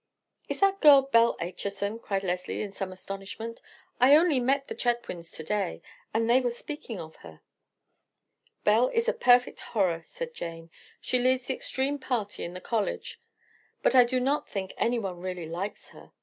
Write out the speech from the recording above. "Is that girl Belle Acheson?" cried Leslie in some astonishment. "I only met the Chetwynds to day, and they were speaking of her." "Belle is a perfect horror," said Jane. "She leads the extreme party in the college; but I do not think anyone really likes her.